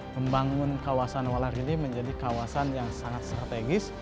membangun kawasan walarili menjadi kawasan yang sangat strategis